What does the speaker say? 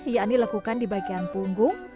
yang dilakukan di bagian punggung